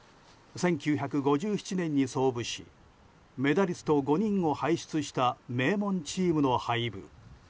１９５７年に創部しメダリスト５人を輩出した名門チームの廃部。